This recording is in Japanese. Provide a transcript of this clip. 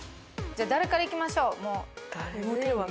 じゃ誰からいきましょう。